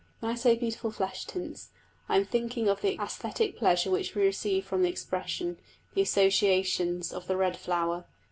When I say "beautiful flesh tints" I am thinking of the æsthetic pleasure which we receive from the expression, the associations, of the red flower.